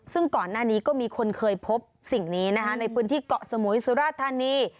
ซึ่งก่อนหน้านี้ก็มีคนเคยพบสิ่งนี้นะคะในพื้นที่เกาะสมุยสุราธานี